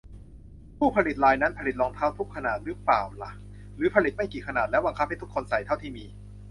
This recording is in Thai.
ผู้ผลิตรายนั้นผลิตรองเท้าทุกขนาดรึเปล่าล่ะ หรือผลิตไม่กี่ขนาด แล้วบังคับให้ทุกคนใส่เท่าที่มี